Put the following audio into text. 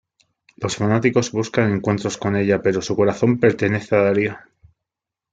Los fanáticos buscan encuentros con ella, pero su corazón pertenece a Darío.